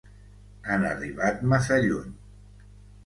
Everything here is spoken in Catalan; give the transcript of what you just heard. Han arribat massa lluny.